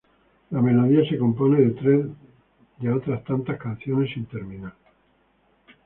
La melodía se compone de tres de otras tantas canciones sin terminar.